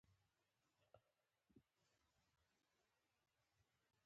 ځینې همداسې پراته وو.